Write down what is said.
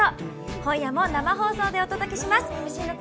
今夜も生放送でお届けします。